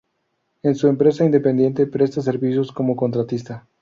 En su empresa independiente presta servicios como contratista.